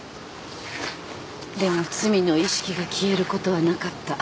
でも罪の意識が消えることはなかった。